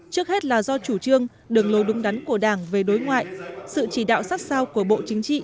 trước hết là do chủ trương đường lối đúng đắn của đảng về đối ngoại sự chỉ đạo sát sao của bộ chính trị